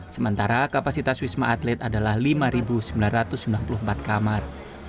sementara kapasitas wisma atlet adalah lima sembilan ratus sembilan puluh empat kamar